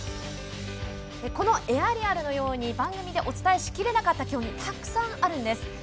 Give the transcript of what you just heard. このエアリアルのように番組でお伝えしきれなかった競技たくさんあるんです。